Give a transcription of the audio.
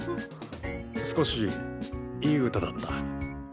少しいい歌だった。